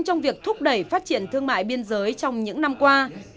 trong việc thúc đẩy phát triển thương mại biên giới trong những năm qua